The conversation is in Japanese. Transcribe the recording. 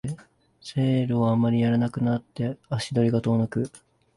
セールをあまりやらなくなって足が遠のく